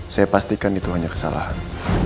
saya pastikan itu hanya kesalahan